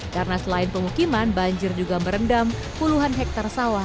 karena selain pengukiman banjir juga merendam puluhan hektare sawah